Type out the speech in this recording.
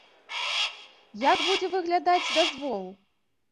Як будзе выглядаць дазвол?